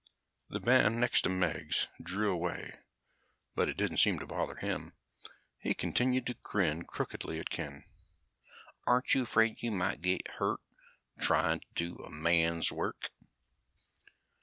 The man next to Meggs drew away, but it didn't seem to bother him. He continued to grin crookedly at Ken. "Aren't you afraid you might get hurt trying to do a man's work?"